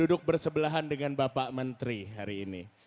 duduk bersebelahan dengan bapak menteri hari ini